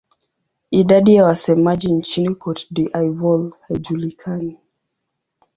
Idadi ya wasemaji nchini Cote d'Ivoire haijulikani.